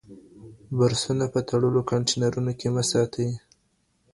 برسونه په تړلو کانتینرونو کې مه ساتئ.